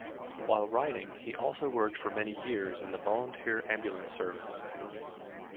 While writing, he also worked for many years in the volunteer ambulance service.